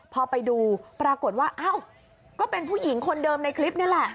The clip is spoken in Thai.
พอไปดูปรากฏว่าอ้าวก็เป็นผู้หญิงคนเดิมในคลิปนี่แหละ